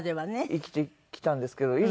生きてきたんですけどいざ